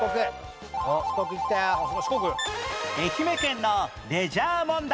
愛媛県のレジャー問題